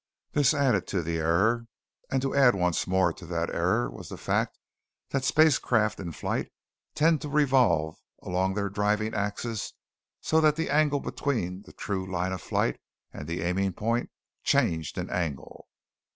This added to the error, and to add once more to that error was the fact that spacecraft in flight tend to revolve along their driving axis so that the angle between the true line of flight and the aiming point changed in angle.